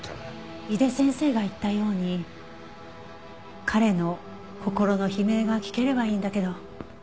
井手先生が言ったように彼の心の悲鳴が聞ければいいんだけど。